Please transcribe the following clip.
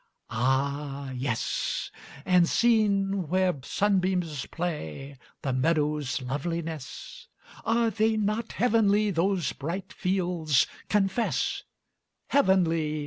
"Ah yes!" "And, seen where sunbeams play, The meadows' loveliness? Are they not heavenly those bright fields? Confess!" Heavenly!